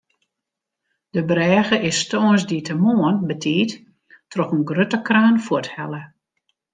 De brêge is tongersdeitemoarn betiid troch in grutte kraan fuorthelle.